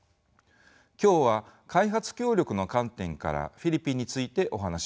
今日は開発協力の観点からフィリピンについてお話しします。